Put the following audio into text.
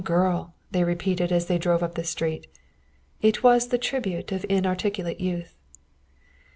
"Some girl!" they repeated as they drove up the street. It was the tribute of inarticulate youth.